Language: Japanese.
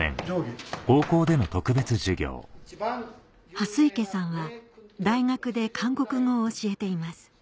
蓮池さんは大学で韓国語を教えています